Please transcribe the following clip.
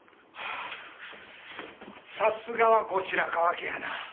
さすがは後白河家やな。